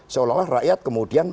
seolah olah rakyat kemudian